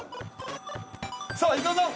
◆さあ、伊沢さん。